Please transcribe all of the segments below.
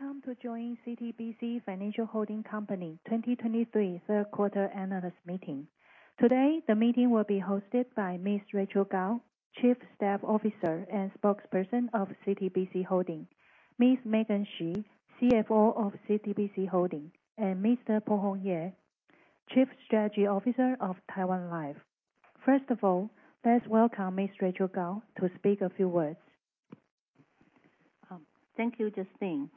Welcome to join CTBC Financial Holding Company 2023 third quarter analyst meeting. Today, the meeting will be hosted by Ms. Rachel Kao, Chief Staff Officer and Spokesperson of CTBC Holding, Ms. Megan Shih, CFO of CTBC Holding, and Mr. Pai-Hung Yeh, Chief Strategy Officer of Taiwan Life. First of all, let's welcome Ms. Rachel Kao to speak a few words. Thank you, Justine.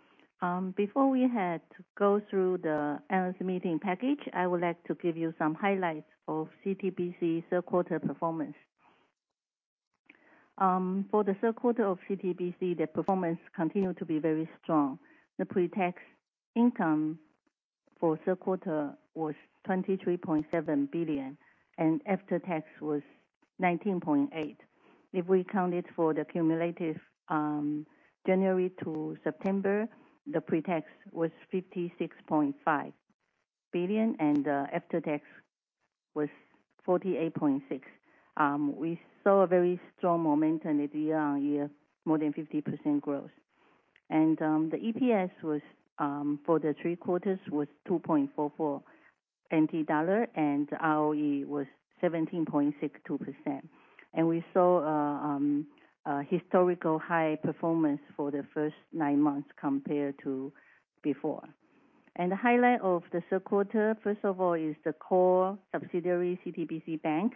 Before we head to go through the analyst meeting package, I would like to give you some highlights of CTBC's third quarter performance. For the third quarter of CTBC, the performance continued to be very strong. The pre-tax income for the third quarter was 23.7 billion, and after tax was 19.8 billion. If we count it for the cumulative January to September, the pre-tax was 56.5 billion, and after tax was 48.6 billion. We saw a very strong momentum at year-on-year, more than 50% growth. The EPS for the three quarters was NT dollar 2.44, and ROE was 17.62%. We saw a historical high performance for the first nine months compared to before. The highlight of the third quarter, first of all, is the core subsidiary, CTBC Bank.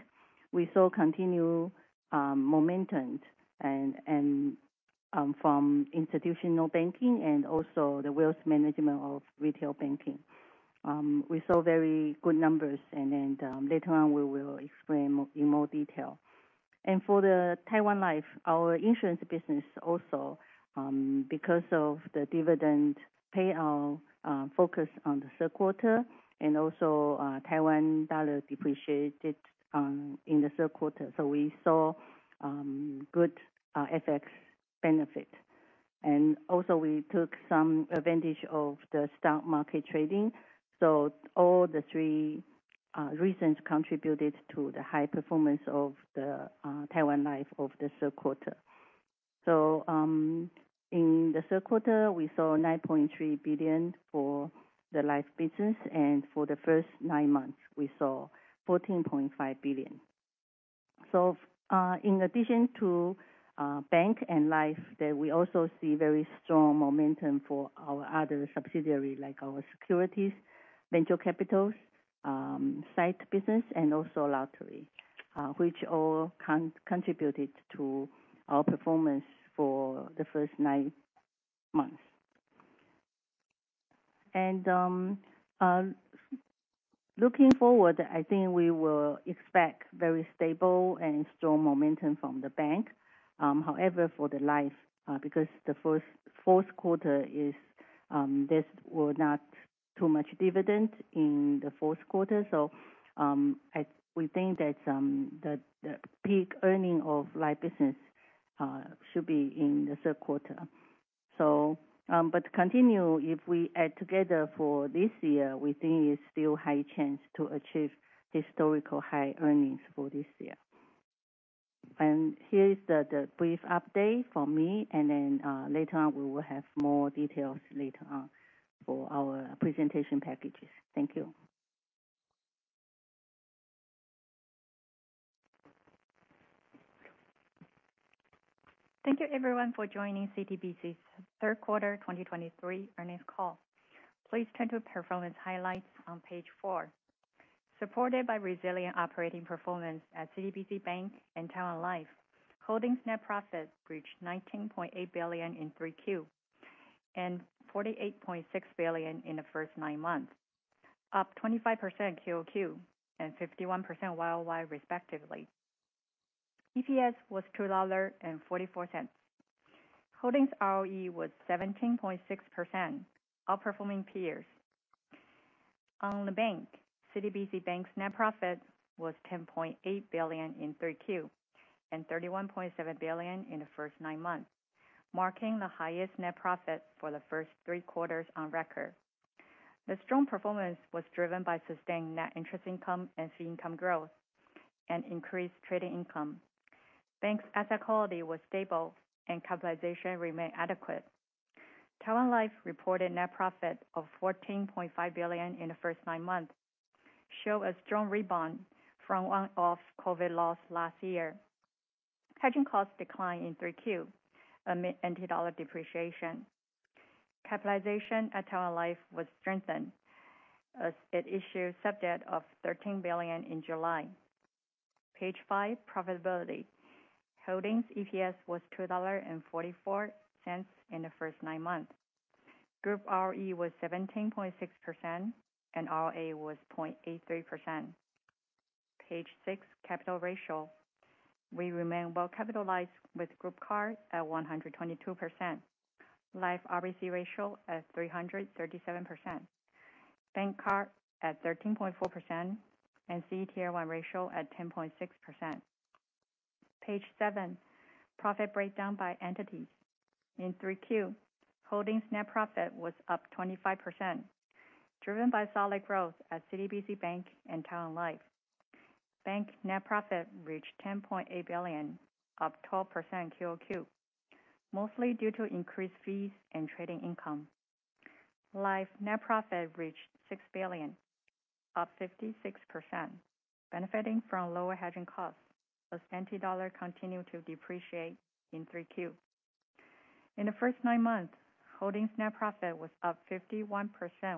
We saw continued momentum from institutional banking and also the wealth management of retail banking. We saw very good numbers, later on, we will explain in more detail. For the Taiwan Life, our insurance business also, because of the dividend payout focused on the third quarter, and also NT dollar depreciated in the third quarter, we saw good FX benefit. We took some advantage of the stock market trading. All the three reasons contributed to the high performance of the Taiwan Life of the third quarter. In the third quarter, we saw 9.3 billion for the life business, and for the first nine months, we saw 14.5 billion. In addition to bank and life there, we also see very strong momentum for our other subsidiaries, like our securities, venture capitals, site business, and also lottery, which all contributed to our performance for the first nine months. Looking forward, I think we will expect very stable and strong momentum from the bank. However, for the life, because there's not too much dividend in the fourth quarter, we think that the peak earning of life business should be in the third quarter. Continue, if we add together for this year, we think it's still high chance to achieve historical high earnings for this year. Here is the brief update from me, later on, we will have more details later on for our presentation packages. Thank you. Thank you everyone for joining CTBC Financial Holding's third quarter 2023 earnings call. Please turn to performance highlights on page four. Supported by resilient operating performance at CTBC Bank and Taiwan Life, Holding's net profit reached 19.8 billion in 3Q, and 48.6 billion in the first nine months, up 25% QOQ and 51% YOY respectively. EPS was 2.44 dollar. Holding's ROE was 17.6%, outperforming peers. On the bank, CTBC Bank's net profit was 10.8 billion in 3Q, and 31.7 billion in the first nine months, marking the highest net profit for the first three quarters on record. The strong performance was driven by sustained net interest income and fee income growth, and increased trading income. Bank's asset quality was stable and capitalization remained adequate. Taiwan Life reported net profit of 14.5 billion in the first nine months, show a strong rebound from one-off COVID loss last year. Hedging costs declined in 3Q amid NT dollar depreciation. Capitalization at Taiwan Life was strengthened as it issued sub-debt of 13 billion in July. Page five, profitability. Holding's EPS was 2.44 dollar in the first nine months. Group ROE was 17.6%, and ROA was 0.83%. Page six, capital ratio. We remain well-capitalized with group CAR at 122%, Life RBC ratio at 337%, Bank CAR at 13.4%, and CET1 ratio at 10.6%. Page seven, profit breakdown by entities. In 3Q, Holding's net profit was up 25%, driven by solid growth at CTBC Bank and Taiwan Life. Bank net profit reached 10.8 billion, up 12% QOQ, mostly due to increased fees and trading income. Life net profit reached 6 billion, up 56%, benefiting from lower hedging costs as NT dollar continued to depreciate in 3Q. In the first nine months, Holding's net profit was up 51%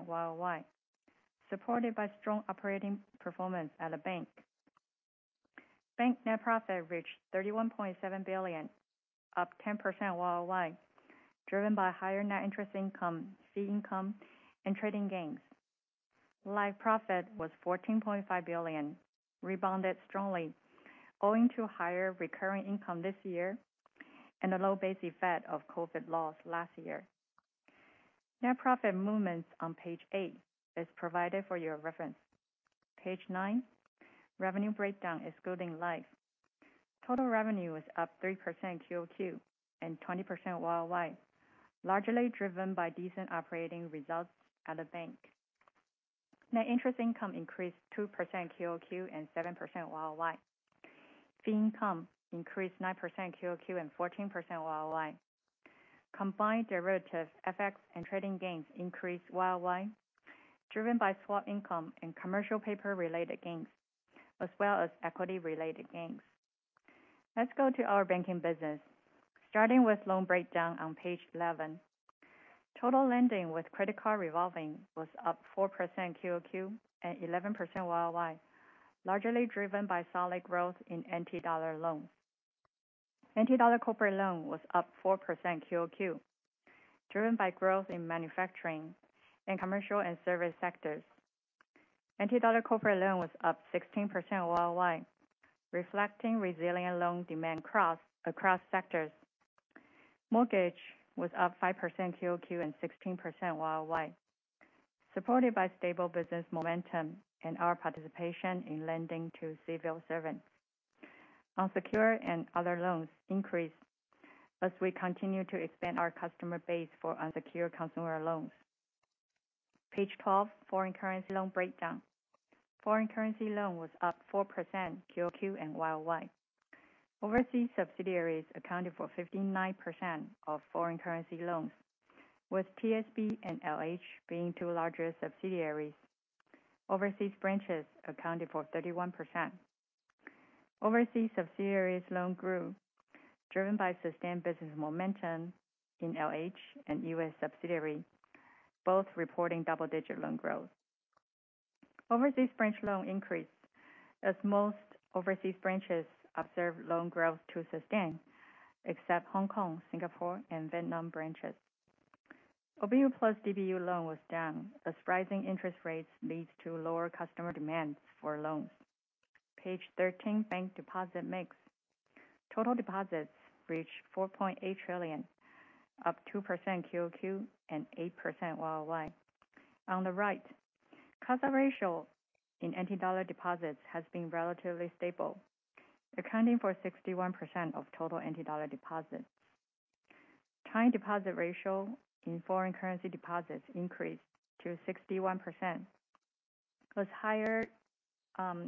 YOY, supported by strong operating performance at the bank. Bank net profit reached 31.7 billion, up 10% YOY, driven by higher net interest income, fee income, and trading gains. Life profit was 14.5 billion, rebounded strongly owing to higher recurring income this year and a low base effect of COVID loss last year. Net profit movements on page eight is provided for your reference. Page nine, revenue breakdown excluding Life. Total revenue was up 3% QOQ and 20% YOY, largely driven by decent operating results at the bank. Net interest income increased 2% QOQ and 7% YOY. Fee income increased 9% QOQ and 14% YOY. Combined derivatives, FX and trading gains increased YOY, driven by swap income and commercial paper-related gains as well as equity-related gains. Let's go to our banking business. Starting with loan breakdown on page 11. Total lending with credit card revolving was up 4% QOQ and 11% YOY, largely driven by solid growth in NT dollar loans. NT dollar corporate loan was up 4% QOQ, driven by growth in manufacturing, and commercial and service sectors. NT dollar corporate loan was up 16% YOY, reflecting resilient loan demand across sectors. Mortgage was up 5% QOQ and 16% YOY, supported by stable business momentum and our participation in lending to civil servants. Unsecured and other loans increased as we continue to expand our customer base for unsecured consumer loans. Page 12, foreign currency loan breakdown. Foreign currency loan was up 4% QOQ and YOY. Overseas subsidiaries accounted for 59% of foreign currency loans, with TSB and LH being two larger subsidiaries. Overseas branches accounted for 31%. Overseas subsidiaries loan grew, driven by sustained business momentum in LH and U.S. subsidiary, both reporting double-digit loan growth. Overseas branch loan increased as most overseas branches observed loan growth to sustain, except Hong Kong, Singapore, and Vietnam branches. OBU plus DBU loan was down as rising interest rates leads to lower customer demands for loans. Page 13, bank deposit mix. Total deposits reached 4.8 trillion, up 2% QOQ and 8% YOY. On the right, CASA ratio in NT dollar deposits has been relatively stable, accounting for 61% of total NT dollar deposits. Time deposit ratio in foreign currency deposits increased to 61%, as higher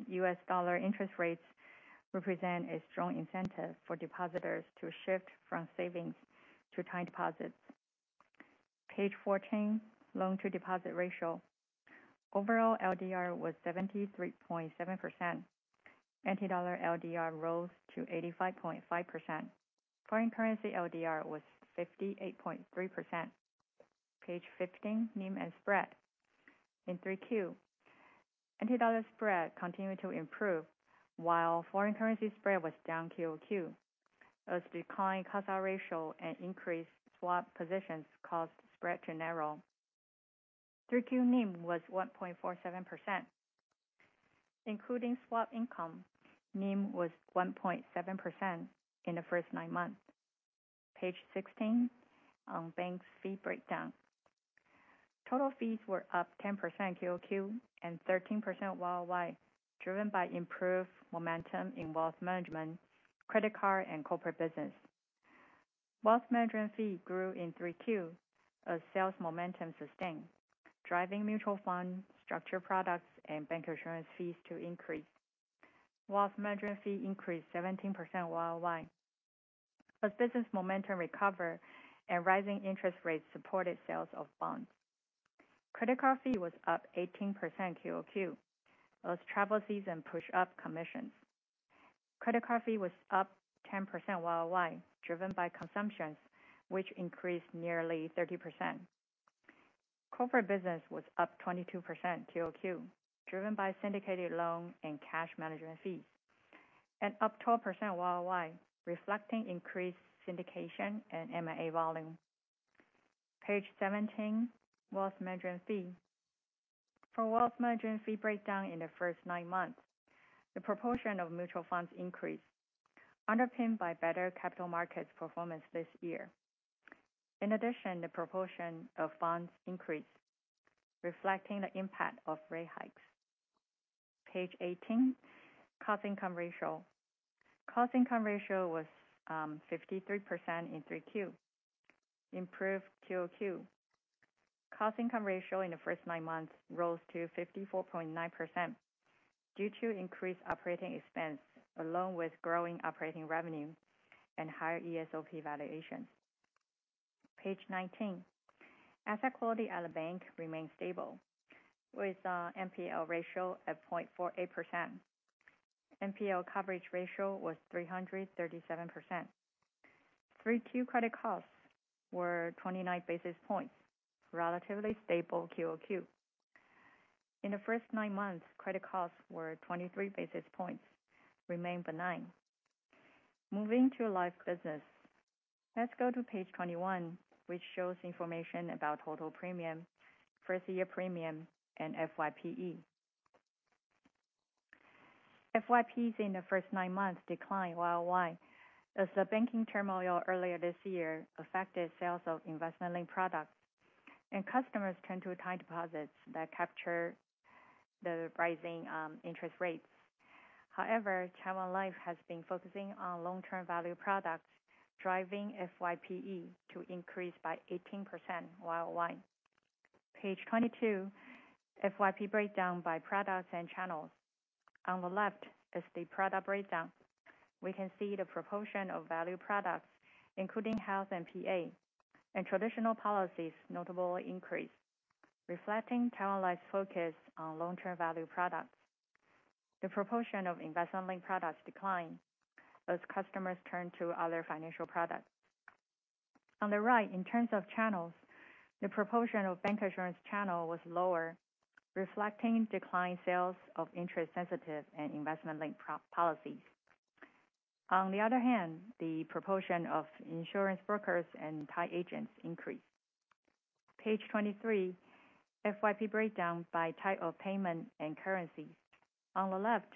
US dollar interest rates represent a strong incentive for depositors to shift from savings to time deposits. Page 14, loan-to-deposit ratio. Overall, LDR was 73.7%. NT dollar LDR rose to 85.5%. Foreign currency LDR was 58.3%. Page 15, NIM and spread. In three Q, NT dollar spread continued to improve, while foreign currency spread was down QOQ as declining CASA ratio and increased swap positions caused spread to narrow. Three Q NIM was 1.47%. Including swap income, NIM was 1.7% in the first nine months. Page 16, bank fee breakdown. Total fees were up 10% QOQ and 13% YOY, driven by improved momentum in wealth management, credit card, and corporate business. Wealth management fee grew in three Q as sales momentum sustained, driving mutual fund, structured products, and bank insurance fees to increase. Wealth management fee increased 17% YOY as business momentum recovered and rising interest rates supported sales of bonds. Credit card fee was up 18% QOQ as travel fees and push up commissions. Credit card fee was up 10% YOY, driven by consumptions, which increased nearly 30%. Corporate business was up 22% QOQ, driven by syndicated loan and cash management fees, and up 12% YOY, reflecting increased syndication and M&A volume. Page 17, wealth management fee. For wealth management fee breakdown in the first nine months, the proportion of mutual funds increased, underpinned by better capital markets performance this year. The proportion of bonds increased, reflecting the impact of rate hikes. Page 18, cost income ratio. Cost income ratio was 53% in three Q, improved QOQ. Cost income ratio in the first nine months rose to 54.9% due to increased operating expense, along with growing operating revenue and higher ESOP valuation. Page 19. Asset quality at the bank remains stable, with NPL ratio at 0.48%. NPL coverage ratio was 337%. 3Q credit costs were 29 basis points, relatively stable QOQ. In the first nine months, credit costs were 23 basis points, remain benign. Moving to life business. Let's go to page 21, which shows information about total premium, first-year premium, and FYPE. FYPEs in the first nine months declined YOY as the banking turmoil earlier this year affected sales of investment-linked products and customers turned to time deposits that capture the rising interest rates. Taiwan Life has been focusing on long-term value products, driving FYPE to increase by 18% YOY. Page 22, FYPE breakdown by products and channels. On the left is the product breakdown. We can see the proportion of value products, including health and PA, and traditional policies notably increased, reflecting Taiwan Life's focus on long-term value products. The proportion of investment-linked products declined as customers turned to other financial products. On the right, in terms of channels, the proportion of bank insurance channel was lower, reflecting declined sales of interest-sensitive and investment-linked policies. On the other hand, the proportion of insurance brokers and paid agents increased. Page 23, FYP breakdown by type of payment and currencies. On the left,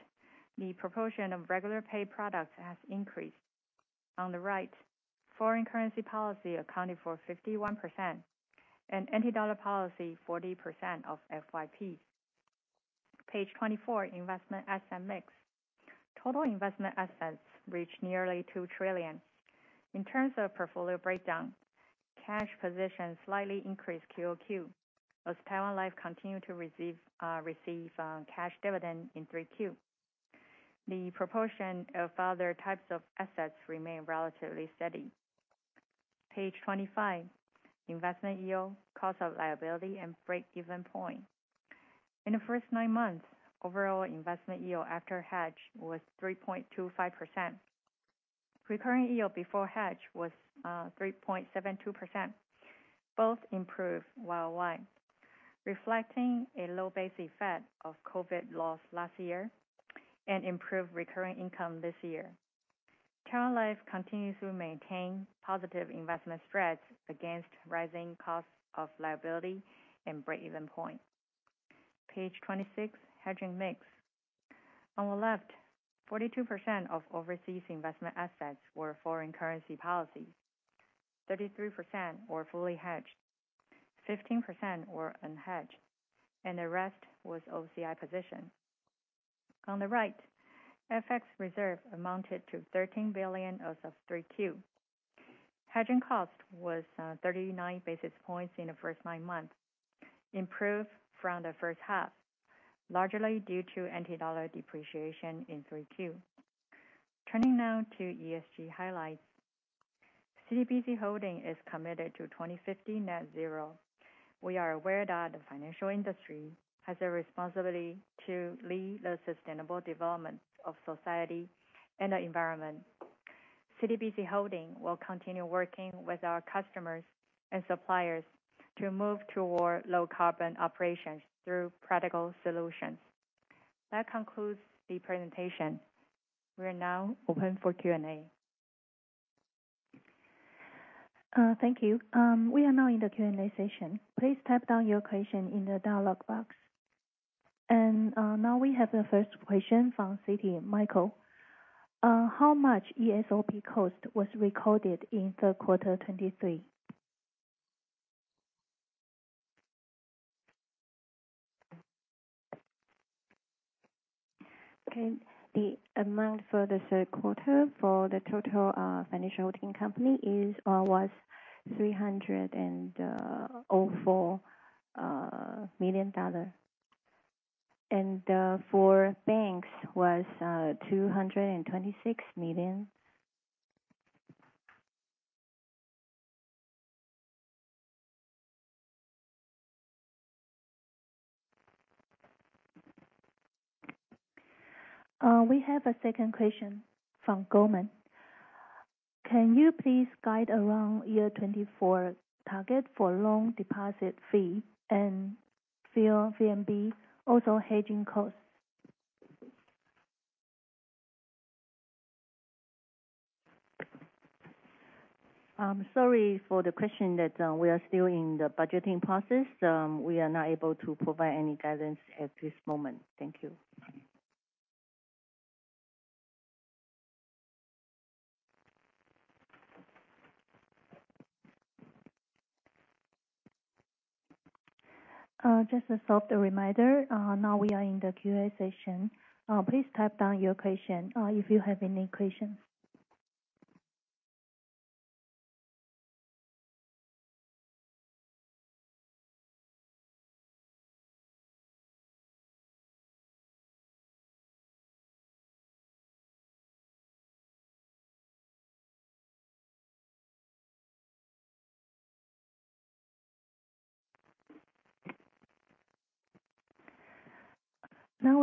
the proportion of regular pay products has increased. On the right, foreign currency policy accounted for 51%, and NT dollar policy, 40% of FYP. Page 24, investment asset mix. Total investment assets reached nearly 2 trillion. In terms of portfolio breakdown, cash position slightly increased QoQ as Taiwan Life continued to receive cash dividend in 3Q. The proportion of other types of assets remained relatively steady. Page 25, investment yield, cost of liability, and break-even point. In the first nine months, overall investment yield after hedge was 3.25%. Recurring yield before hedge was 3.72%, both improved YOY, reflecting a low base effect of COVID loss last year and improved recurring income this year. Taiwan Life continues to maintain positive investment spreads against rising costs of liability and break-even point. Page 26, hedging mix. On the left, 42% of overseas investment assets were foreign currency policies, 33% were fully hedged, 15% were unhedged, and the rest was OCI position. On the right, FX reserve amounted to 13 billion as of 3Q. Hedging cost was 39 basis points in the first nine months, improved from the first half, largely due to NT dollar depreciation in 3Q. Turning now to ESG highlights. CTBC Holding is committed to 2050 net zero. We are aware that the financial industry has a responsibility to lead the sustainable development of society and the environment. CTBC Holding will continue working with our customers and suppliers to move toward low carbon operations through practical solutions. That concludes the presentation. We are now open for Q&A. Thank you. We are now in the Q&A session. Please type down your question in the dialogue box. Now we have the first question from Citi, Michael. How much ESOP cost was recorded in the quarter 2023? Okay, the amount for the third quarter for the total financial holding company was 304 million dollar. For banks was 226 million. We have a second question from Goldman. Can you please guide around year 2024 target for loan deposit fee and VNB, also hedging costs? I am sorry for the question that we are still in the budgeting process. We are not able to provide any guidance at this moment. Thank you. Just a soft reminder, now we are in the QA session. Please type down your question if you have any questions.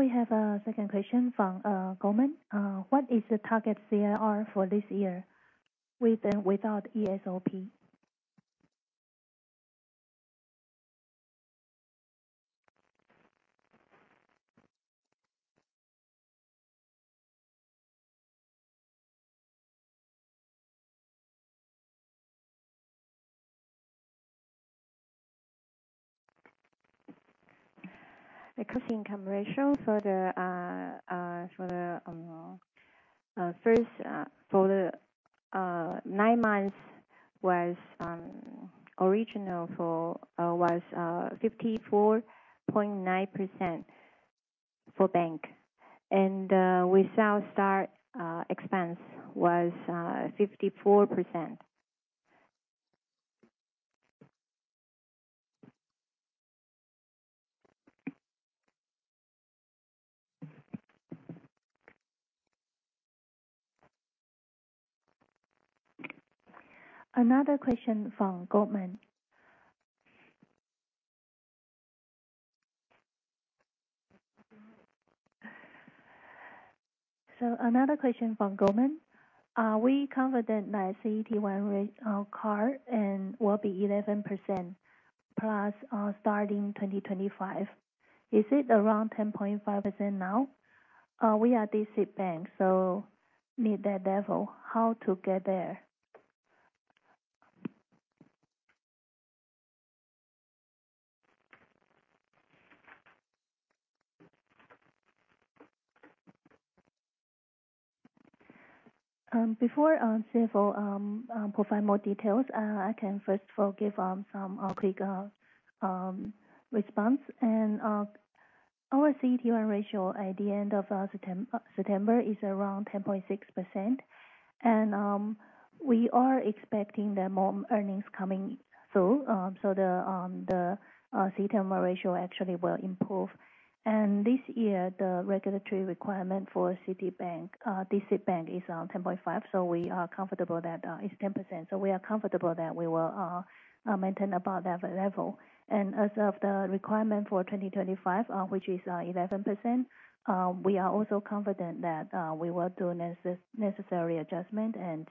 Now we have a second question from Goldman. What is the target CAR for this year with and without ESOP? The cost income ratio for the nine months was 54.9% for bank, and without Star expense was 54%. Another question from Goldman. Another question from Goldman. Are we confident that CET1 ratio CAR will be 11%+ starting 2025? Is it around 10.5% now? We are a D-SIB, so need that level. How to get there? Before CFO provide more details, I can first of all give some quick response. Our CET1 ratio at the end of September is around 10.6%, and we are expecting that more earnings coming through, so the CET1 ratio actually will improve. This year, the regulatory requirement for D-SIB is 10.5%, so we are comfortable that it's 10%, so we are comfortable that we will maintain about that level. As of the requirement for 2025, which is 11%, we are also confident that we will do necessary adjustment and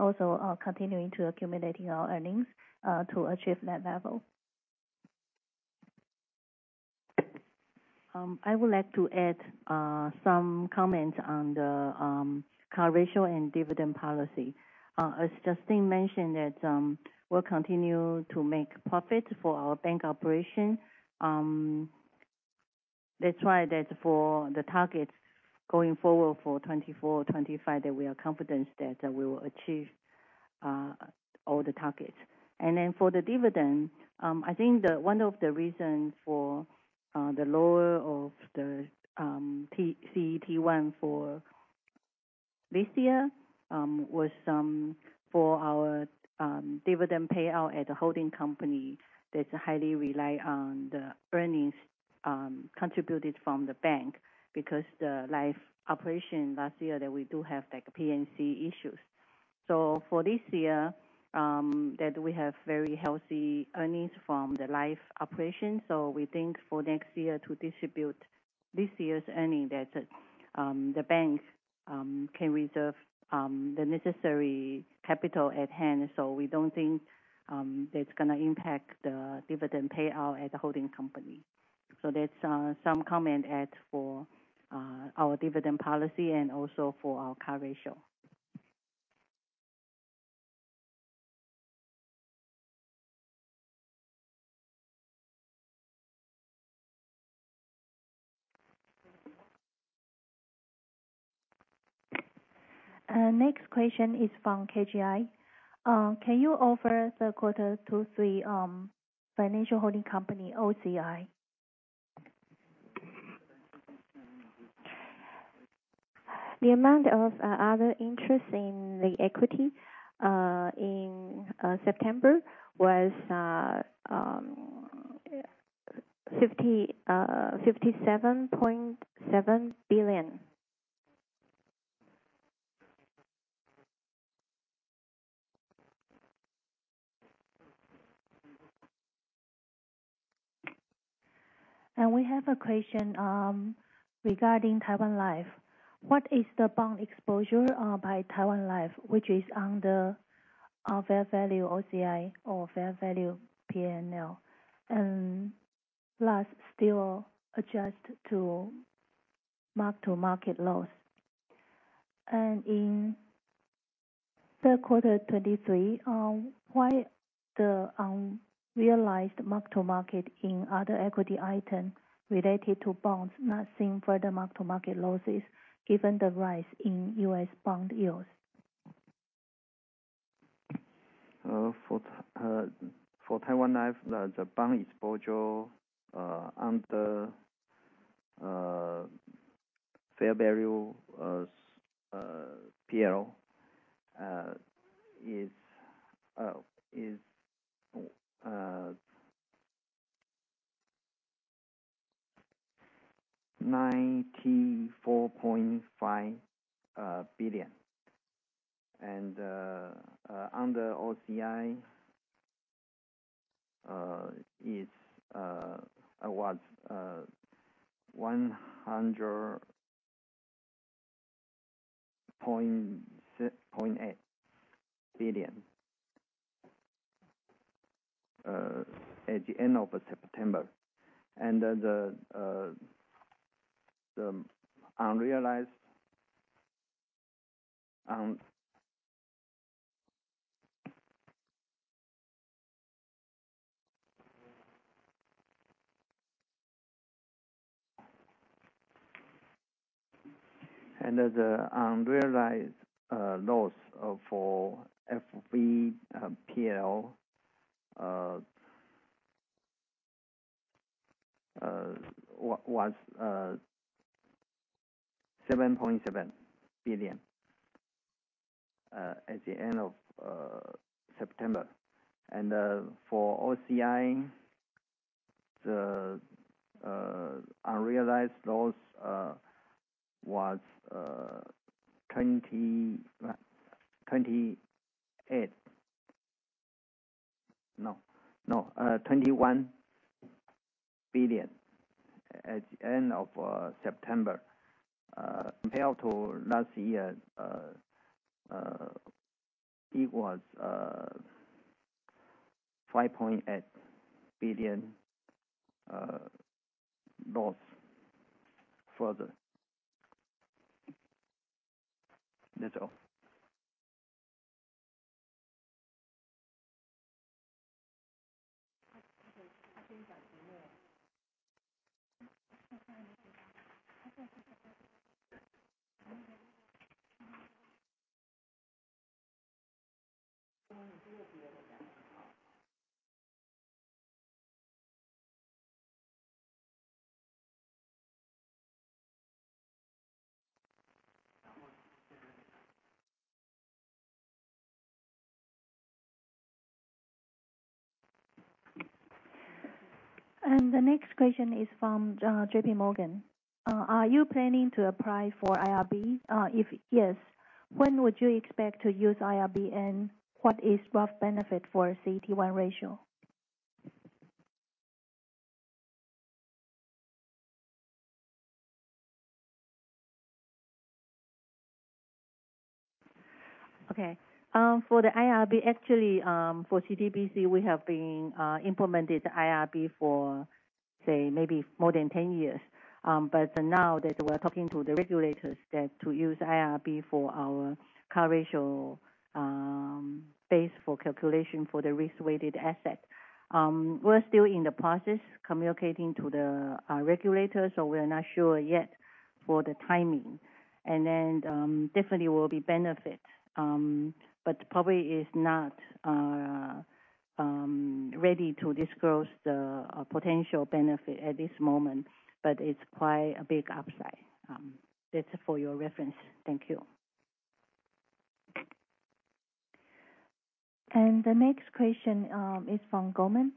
also continuing to accumulating our earnings, to achieve that level. I would like to add some comments on the CAR ratio and dividend policy. As Justine mentioned, we'll continue to make profit for our bank operation. That's why for the targets going forward for 2024, 2025, we are confident that we will achieve all the targets. For the dividend, I think one of the reasons for the lower of the CET1 for this year was for our dividend payout at the holding company, that highly rely on the earnings contributed from the bank because the life operation last year that we do have P&L issues. For this year, we have very healthy earnings from the life operation. We think for next year to distribute this year's earning, the bank can reserve the necessary capital at hand. We don't think that's going to impact the dividend payout at the holding company. That's some comment for our dividend policy and also for our CAR ratio. Next question is from KGI. Can you offer the quarter two three financial holding company OCI? The amount of other interest in the equity in September was TWD 57.7 billion. We have a question regarding Taiwan Life. What is the bond exposure by Taiwan Life, which is under fair value OCI or fair value P&L, plus still adjust to mark-to-market loss? In third quarter 2023, why the unrealized mark-to-market in other equity item related to bonds not seeing further mark-to-market losses given the rise in U.S. bond yields? For Taiwan Life, the bank exposure under fair value P&L is TWD 94.5 billion. Under OCI, it was TWD 100.8 billion at the end of September. The unrealized loss for FVPL was 7.7 billion at the end of September. For OCI, the unrealized loss was 21 billion at the end of September. Compared to last year, it was 5.8 billion loss further. That's all. The next question is from JPMorgan. Are you planning to apply for IRB? If yes, when would you expect to use IRB, and what is rough benefit for CET1 ratio? Okay. For the IRB, actually, for CTBC, we have been implementing IRB for, say, maybe more than 10 years. Now that we're talking to the regulators to use IRB for our capital ratio base for calculation for the risk-weighted asset. We're still in the process communicating to the regulators, so we're not sure yet for the timing. It definitely will be benefit, but probably it's not ready to disclose the potential benefit at this moment, but it's quite a big upside. That's for your reference. Thank you. The next question is from Goldman.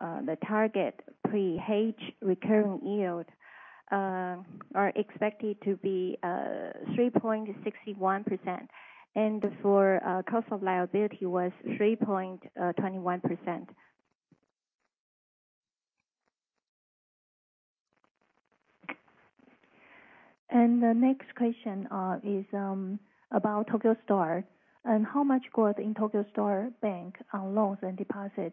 How much growth in Tokyo Star Bank on loans and deposit?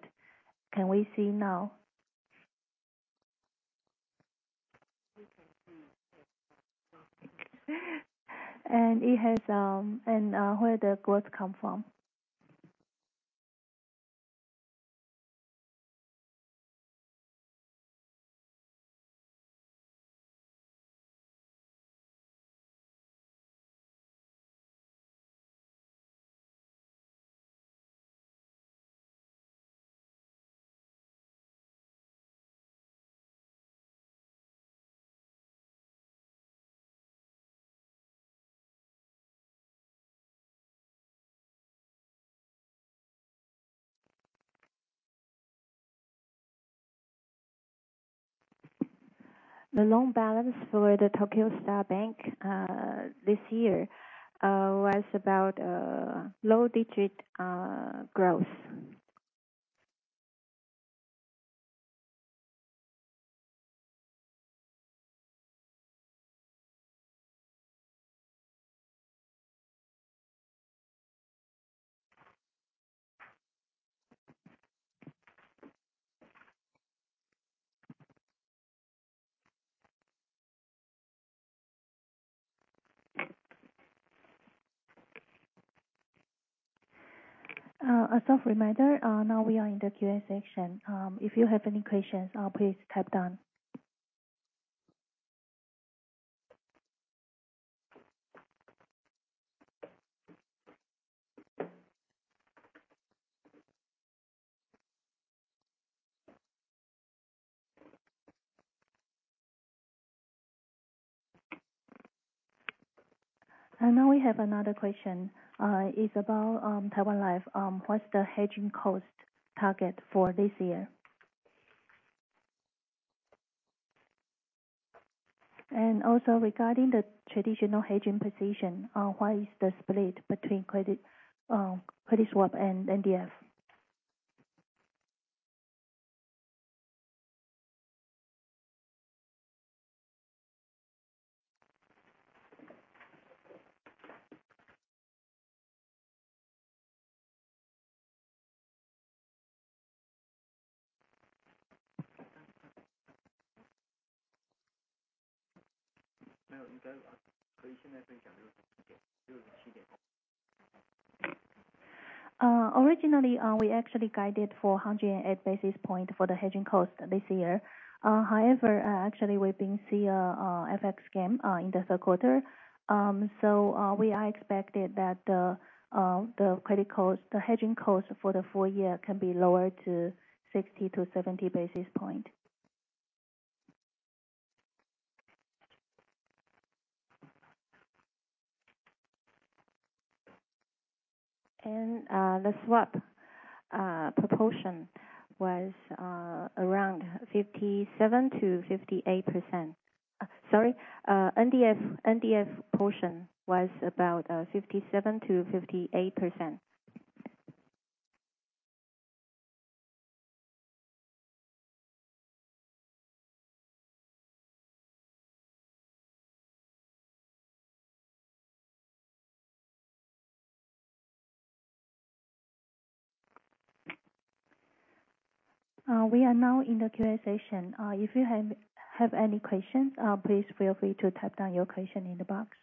The loan balance for the Tokyo Star Bank this year was about low-digit growth. A soft reminder, now we are in the Q&A section. If you have any questions, please type down. Now we have another question. It is about Taiwan Life. What is the hedging cost target for this year? Regarding the traditional hedging position, what is the split between cross-currency swap and NDF? Originally, we actually guided for 108 basis points for the hedging cost this year. However, actually, we have been seeing FX gain in the third quarter. We are expecting that the hedging cost for the full year can be lower to 60 to 70 basis points. The swap proportion was around 57%-58%. Sorry, NDF portion was about 57%-58%. We are now in the Q&A session. If you have any questions, please feel free to type down your question in the box.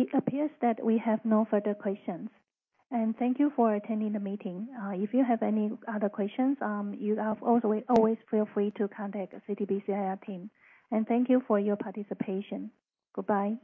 It appears that we have no further questions. Thank you for attending the meeting. If you have any other questions, always feel free to contact CTBC IR team. Thank you for your participation. Goodbye.